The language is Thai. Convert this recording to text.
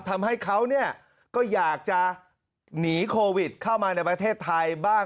ทำให้เขาก็อยากจะหนีโควิดเข้ามาในประเทศไทยบ้าง